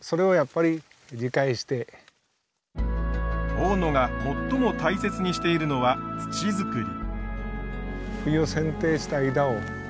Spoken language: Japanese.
大野が最も大切にしているのは土作り。